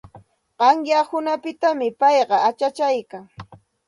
Qayna hunanpitam payqa achachaykan.